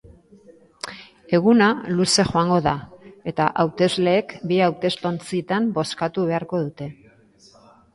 Eguna luze joango da, eta hautesleek bi hautestontzitan bozkatu beharko dute.